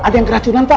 ada yang keracunan pak